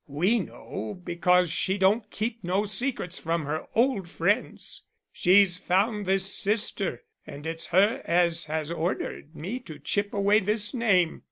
We know, because she don't keep no secrets from her old friends. She's found this sister, and it's her as has ordered me to chip away this name.